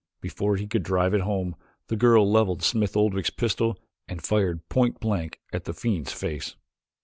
Before he could drive it home the girl leveled Smith Oldwick's pistol and fired point blank at the fiend's face.